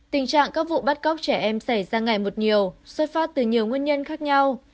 tình trạng các vụ bắt cóc trẻ em xảy ra ngày một nhiều xuất phát từ nhiều nguyên nhân khác nhau